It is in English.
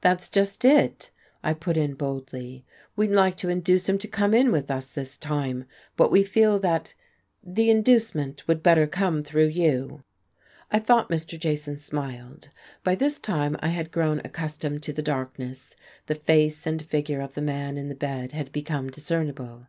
"That's just it," I put in boldly. "We'd like to induce him to come in with us this time. But we feel that the inducement would better come through you." I thought Mr. Jason smiled. By this time I had grown accustomed to the darkness, the face and figure of the man in the bed had become discernible.